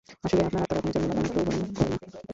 আসলে, আপনার আত্মা কখনই জন্মলাভ বা মৃত্যুবরণ করে না।